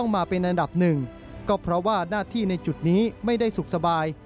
เมื่อกี้ไม่ได้สุขสบาย